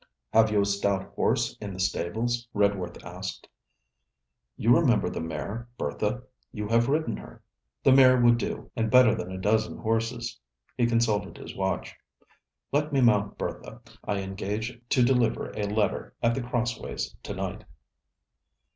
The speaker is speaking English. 'Have you a stout horse in the stables?' Redworth asked. 'You remember the mare Bertha; you have ridden her.' 'The mare would do, and better than a dozen horses.' He consulted his watch. 'Let me mount Bertha, I engage to deliver a letter at The Crossways to night.'